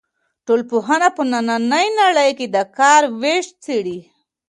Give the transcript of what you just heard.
ټولنپوهنه په نننۍ نړۍ کې د کار وېش څېړي.